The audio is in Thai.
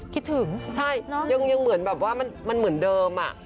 คิดถึงใช่ยังเหมือนแบบว่ามันเหมือนเดิม